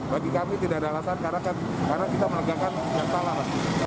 bagi kami tidak ada alasan karena kita menegakkan yang salah